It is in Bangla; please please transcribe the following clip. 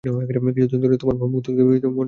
কিছুদিন থেকে তোমার ভাবগতিক দেখে মন সুস্থির হচ্ছে না।